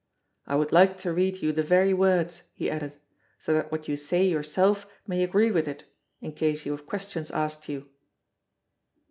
"I would like to read you the very words," he added, "so that what you say yourself may agree with it, in case you have questions asked you."